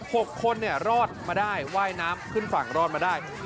หกคนเนี่ยรอดมาได้ว่ายน้ำขึ้นฝั่งรอดมาได้